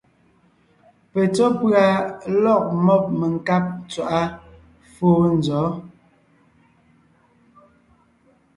Petsɔ́ pʉ̀a lɔ̂g mɔ́b menkáb ntswaʼá fóo nzɔ̌?